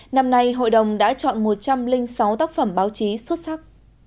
năm nay hội đồng đã chọn một trăm linh sáu tác phẩm báo chí xuất sắc